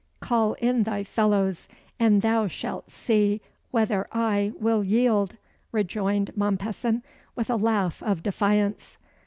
"Call in thy fellows, and thou shalt see whether I will yield," rejoined Mompesson, with a laugh of defiance.